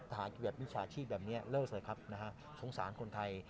หากแบบมิจฉาชีพแบบนี้เลิกเลยครับนะฮะสงสารคนไทย